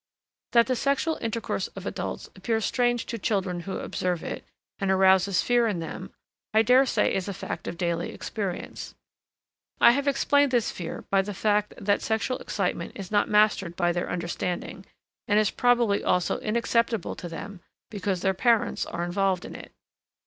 That the sexual intercourse of adults appears strange to children who observe it, and arouses fear in them, I dare say is a fact of daily experience. I have explained this fear by the fact that sexual excitement is not mastered by their understanding, and is probably also inacceptable to them because their parents are involved in it.